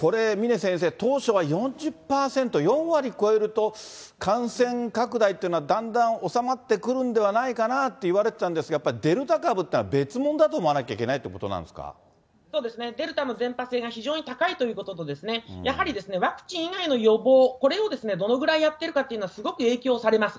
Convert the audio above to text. これ、峰先生、当初は４０％、４割超えると感染拡大ってのは、だんだん収まってくるんではないかなっていわれてたんですが、やっぱりデルタ株っていうのは別物だと思わなきゃならないというそうですね、デルタの伝ぱ性が非常に高いということと、やはりワクチン以外の予防、これをどのぐらいやっているかっていうのはすごく影響されます。